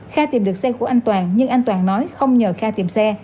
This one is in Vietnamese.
kha tìm được xe của anh toàn nhưng anh toàn nói không nhờ kha tìm xe